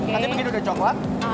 nanti mungkin udah coklat